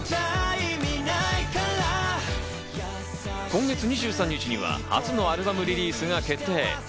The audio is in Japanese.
今月２３日には初のアルバムリリースが決定。